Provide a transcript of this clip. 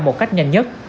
một cách nhanh nhất